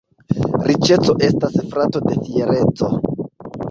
Riĉeco estas frato de fiereco.